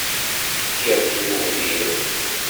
fkiɣ-k i bubdir.